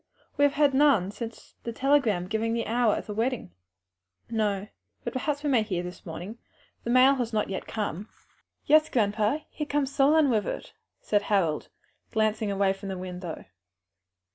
"We have had none since the telegram giving the hour for the wedding." "No, but perhaps we may hear this morning the mail has not come yet." "Yes, grandpa; here comes Solon with it," said Harold, glancing from the window.